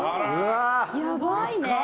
やばいね。